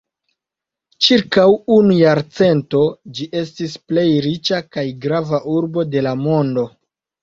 Ĉirkaŭ unu jarcento ĝi estis plej riĉa kaj grava urbo de la mondo.